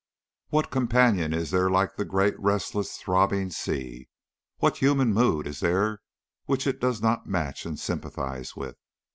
What companion is there like the great restless, throbbing sea? What human mood is there which it does not match and sympathise with?